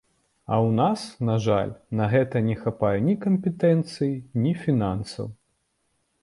А ў нас, на жаль, на гэта не хапае ні кампетэнцыі, ні фінансаў.